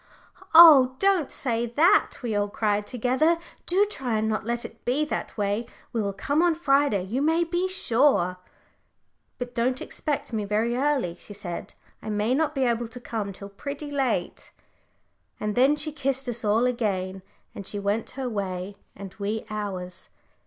"Oh! don't say that," we all cried together; "do try and not let it be that way. We will come on Friday, you may be sure." "But don't expect me very early," she said. "I may not be able to come till pretty late." And then she kissed us all again, and she went her way, and we ours.